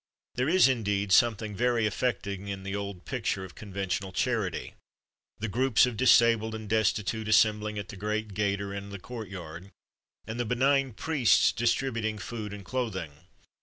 There is, indeed, something very affecting in the old picture of conventional charity the groups of disabled and destitute assembling at the great gate or in the courtyard, and the benign priests distributing food and clothing.